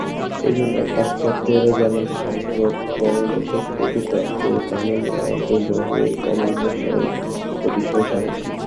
এইজন্য পাশ্চাত্যেরা যেমন সঙ্ঘবদ্ধ কর্মে বিশেষ পটু, প্রাচ্যেরা তেমনি অন্তর্জগতের অন্বেষণে অতিশয় সাহসী।